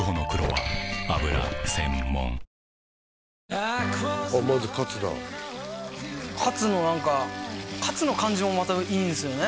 あまずカツだカツの何かカツの感じもまたいいんすよね